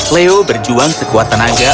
leo berjuang sekuat tenaga